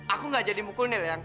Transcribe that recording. aku gak jadi mukul nil eang